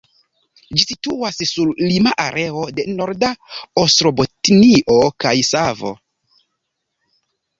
Ĝi situas sur lima areo de Norda Ostrobotnio kaj Savo.